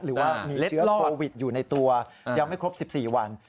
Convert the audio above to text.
หรือว่ามีเชื้อโควิดอยู่ในตัวยังไม่ครบ๑๔วัน